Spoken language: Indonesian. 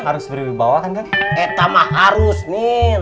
harus berwibawa kan kang